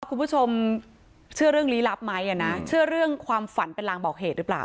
คุณผู้ชมเชื่อเรื่องลี้ลับไหมอ่ะนะเชื่อเรื่องความฝันเป็นรางบอกเหตุหรือเปล่า